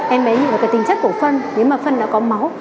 em bé nhịn được tình chất của phân nếu mà phân đã có máu